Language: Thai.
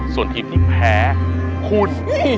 ส่วนทีมที่แพ้คุณ